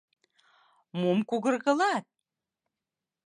— Мом кугыргылат?